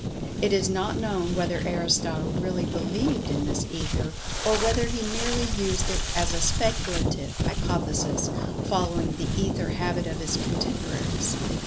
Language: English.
It is not known whether Aristotle really believed in this Ether, or whether he merely used it as a speculative hypothesis, following the Ether Habit of his contemporaries.